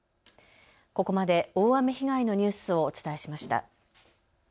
ここまで大雨被害のニュースをお伝えしました。